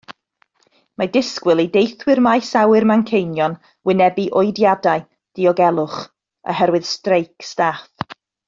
Mae disgwyl i deithwyr maes awyr Manceinion wynebu oediadau diogelwch oherwydd streic staff.